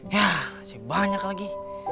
yah masih banyak lagi